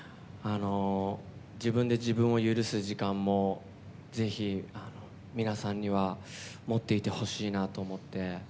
自分で自分を許す時間もぜひ、皆さんには持っていてほしいなと思っていて。